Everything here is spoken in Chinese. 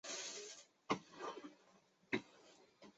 这是因为其电子排布可能因量子效应和相对论性效应而改变。